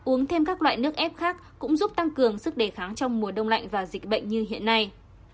uống thêm các loại nước ép khác cũng giúp tăng cường sức đề kháng trong mùa đông lạnh và dịch bệnh như hiện nay